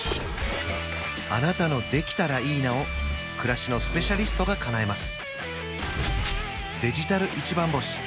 あなたの「できたらいいな」を暮らしのスペシャリストがかなえます